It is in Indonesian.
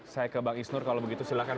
saya ke bang isnur kalau begitu silahkan